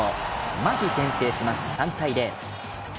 まず、先制します、３対０。